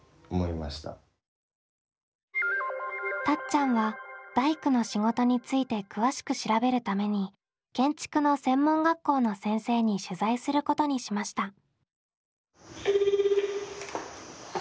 たっちゃんは大工の仕事について詳しく調べるために建築の専門学校の先生に取材することにしました。